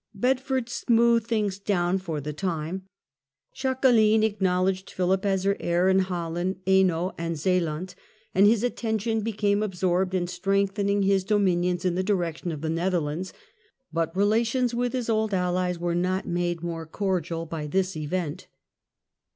Bedford smoothed things down for the time ; Jacqueline acknowledged Philip as her heir in Holland, Hainault and Zealand, and his attention became absorbed in strengthening his dominions in the direction of the Netherlands ; but relations with his old allies were not made more cordial by this event.